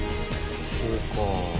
そうか。